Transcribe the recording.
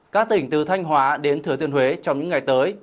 các tỉnh từ thanh hóa đến thừa tiên huế trong những ngày tới